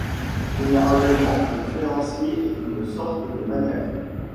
Généralement, le créancier est une sorte de maniaque.